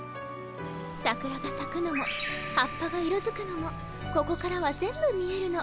さくらがさくのも葉っぱが色づくのもここからは全部見えるの。